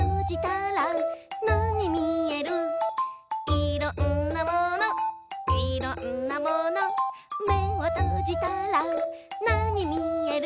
「いろんなものいろんなもの」「めをとじたらなにみえる？